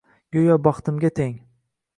Go’yo baxtimga teng